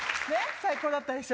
最高だったでしょ？